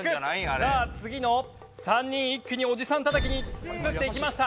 さあ次の３人一気におじさん叩きに移っていきました。